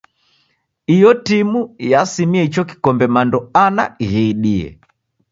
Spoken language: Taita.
Iyo timu yasimie icho kikombe mando ana ghiidie.